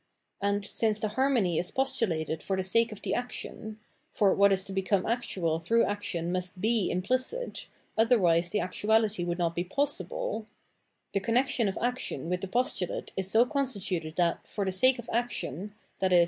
And, since the harmony is postulated for the sake of the action — ^for what is to become actual through action must be im plicit, otherwise the actuality would not be possiHe — ^the connexion of action with the postulate is so con stituted that, for the sake of the action, i.e.